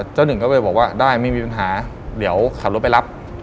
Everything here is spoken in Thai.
หนึ่งก็เลยบอกว่าได้ไม่มีปัญหาเดี๋ยวขับรถไปรับ